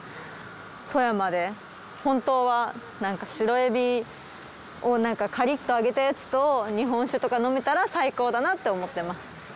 富山で本当は白えびをカリッと揚げたやつと日本酒とか飲めたら最高だなって思ってます。